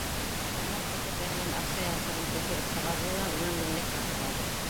Штормовка кеҫәһенән аҡса янсығын килтереп сығарҙы ла унан меңлек тартып алды.